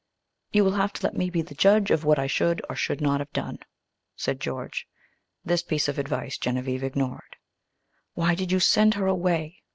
"You will have to let me be the judge of what I should or should not have done," said George. This piece of advice Genevieve ignored. "Why did you send her away?"